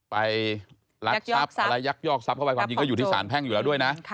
รักทรัพย์อะไรยักยอกทรัพย์เข้าไปความจริงก็อยู่ที่สารแพ่งอยู่แล้วด้วยนะ